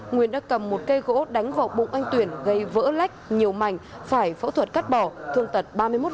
nguyên đã cầm một cây gỗ đánh vào bụng anh tuyển gây vỡ lách nhiều mảnh phải phẫu thuật cắt bỏ thương tật ba mươi một